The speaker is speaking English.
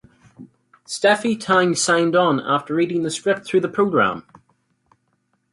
Stephy Tang signed on after reading the script through the program.